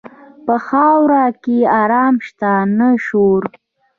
په خاوره کې آرام شته، نه شور.